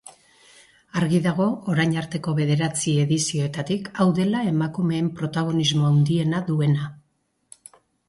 Argi dago orain arteko bederatzi edizioetatik hau dela emakumeen protagonismo handiena duena.